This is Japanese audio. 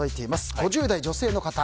５０代女性の方。